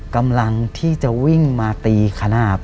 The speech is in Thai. กำลังที่จะวิ่งมาตีขนาด